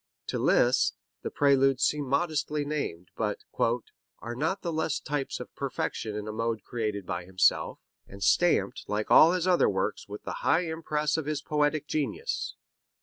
To Liszt the Preludes seem modestly named, but "are not the less types of perfection in a mode created by himself, and stamped like all his other works with the high impress of his poetic genius.